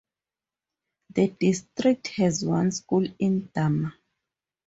The district has one school in Damar.